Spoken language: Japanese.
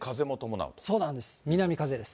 そうなんです。